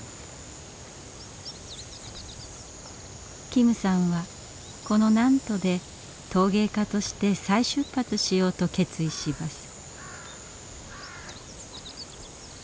金さんはこの南砺で陶芸家として再出発しようと決意します。